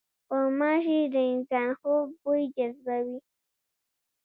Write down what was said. غوماشې د انسان خوږ بوی جذبوي.